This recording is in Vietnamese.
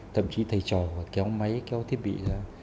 thậm chí thầy trò kéo máy kéo thiết bị ra